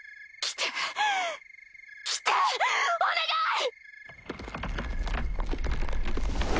来てお願い！